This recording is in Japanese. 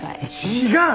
違う！